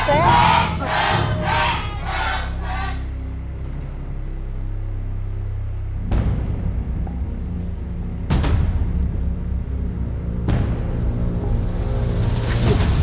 ๑แสน